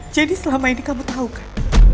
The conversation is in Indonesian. jadi selama ini kamu tahu kan